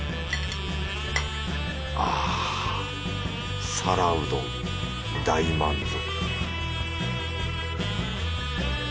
あ皿うどん大満足